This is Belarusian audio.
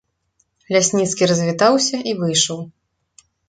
Лясніцкі развітаўся і выйшаў.